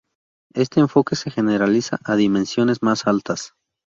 Este enfoque se generaliza a dimensiones más altas.